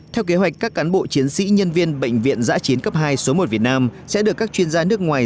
theo kế hoạch các cán bộ chiến sĩ nhân viên bệnh viện giã chiến cấp hai số một việt nam sẽ được các chuyên gia nước ngoài